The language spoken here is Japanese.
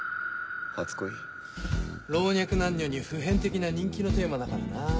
老若男女に普遍的な人気のテーマだからな。